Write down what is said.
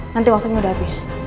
nanti waktunya udah habis